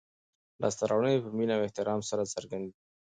لاسته راوړنې په مینه او احترام سره څرګندې کړئ.